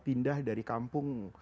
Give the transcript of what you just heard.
pindah dari kampung